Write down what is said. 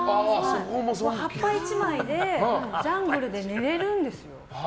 葉っぱ１枚でジャングルで寝れるんですよ。